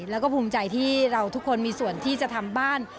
แล้วก็ภูมิใจที่เราทุกคนมีส่วนที่จะทำบ้าน